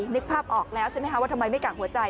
นึกภาพออกแล้วใช่ไหมคะว่าทำไมไม่กักหัวใจ